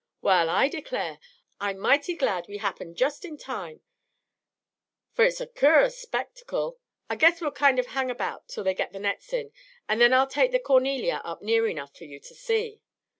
Wa'al, I declare! I'm mighty glad we happened just in time, for it's a cur'us spectacle. I guess we'll kind of hang about till they get the nets in, and then I'll take the 'Cornelia' up near enough for you to see."